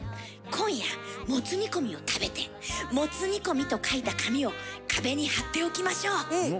今夜もつ煮込みを食べて「もつ煮込み」と書いた紙を壁に貼っておきましょう。